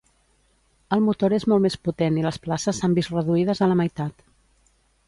El motor és molt més potent i les places s'han vist reduïdes a la meitat.